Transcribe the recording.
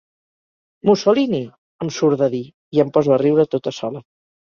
Mussolini! —em surt de dir, i em poso a riure tota sola.